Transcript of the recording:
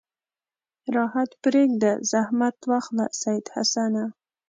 راحت پرېږده زحمت واخله سید حسنه.